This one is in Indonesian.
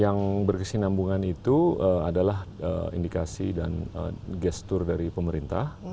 yang berkesinambungan itu adalah indikasi dan gestur dari pemerintah